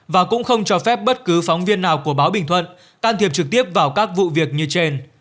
và cũng không cho phép bất cứ phóng viên nào của báo bình thuận can thiệp trực tiếp vào các vụ việc như trên